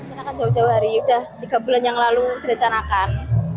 di kanakan jauh jauh hari sudah tiga bulan yang lalu di rekanakan